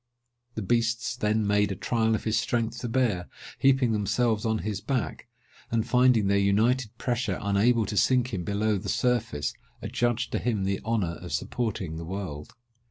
The beasts then made a trial of his strength to bear, heaping themselves on his back; and finding their united pressure unable to sink him below the surface, adjudged to him the honour of supporting the world.